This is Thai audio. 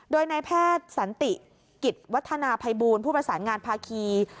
โดยนายแพทย์สันติกิจวัฒนาภัยบูลผู้ประสานงานภาคี